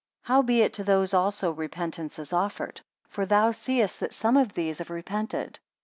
58 Howbeit, to those also repentance is offered; for thou seest that some of these have repented.